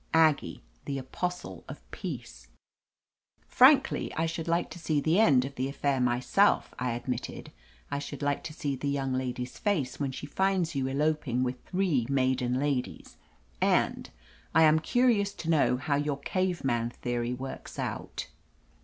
Aggie, the apostle of peace ! "Frankly, I should like to see the end of the affair myself," I admitted. "I should like to see the young lady's face when she finds you eloping with three maiden ladies, and — I am curious to know how your cave man theory works out."